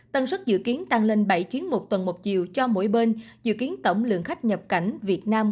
tân xuất dự kiến tăng lên bảy chuyến một tuần một chiều cho mỗi bên dự kiến tổng lượng khách nhập cảnh việt nam